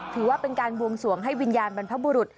ถือว่าเป็นการบวงสวงให้วิญญาณบรรพบุรุษ